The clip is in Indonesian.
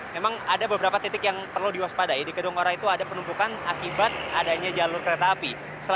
memang ada beberapa titik yang perlu diwaspadai di gedung ora itu ada penumpukan akibat adanya jalur kereta api